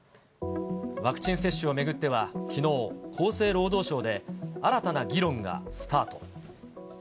ワクチン接種を巡ってはきのう、厚生労働省で新たな議論がスタート。